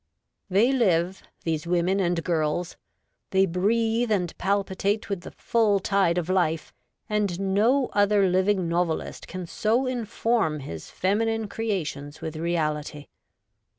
20 REVOLTED WOMAN. They live, these women and girls — they breathe and palpitate with the full tide of life, and no other livincr novelist can so inform his feminine creations o with reality.